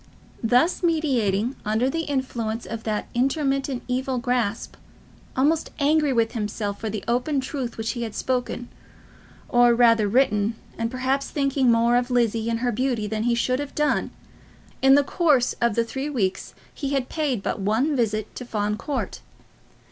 Thus meditating, under the influence of that intermittent evil grasp, almost angry with himself for the open truth which he had spoken, or rather written, and perhaps thinking more of Lizzie and her beauty than he should have done, in the course of three weeks he had paid but one visit to Fawn Court.